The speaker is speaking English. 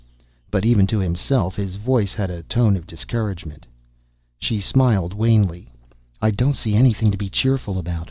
But even to himself, his voice had a tone of discouragement. She smiled wanly. "I don't see anything to be cheerful about."